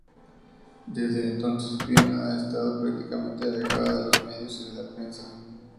Desde entonces, Fiona ha estado prácticamente alejada de los medios y de la prensa.